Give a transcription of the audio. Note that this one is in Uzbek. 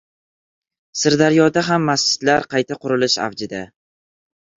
Sirdaryoda ham masjidlar qayta qurilishi avjida